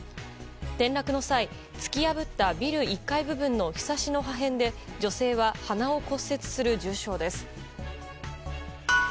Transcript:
転落の際、突き破ったビル１階部分のひさしの破片で女性は鼻を骨折する重傷です。